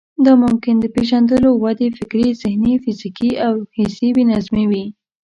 دا ممکن د پېژندلو، ودې، فکري، ذهني، فزيکي او يا حسي بې نظمي وي.